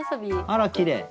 あらきれい。